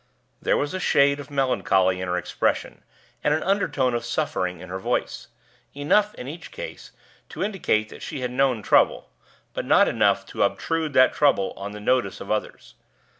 There was a shade of melancholy in her expression, and an undertone of suffering in her voice enough, in each case, to indicate that she had known trouble, but not enough to obtrude that trouble on the notice of others.